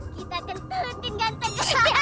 kita akan ketingganteng